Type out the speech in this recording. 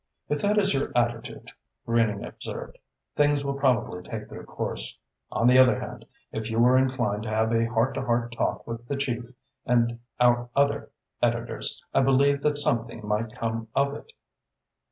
"If that is your attitude," Greening observed, "things will probably take their course. On the other hand, if you were inclined to have a heart to heart talk with the chief and our other editors, I believe that something might come of it."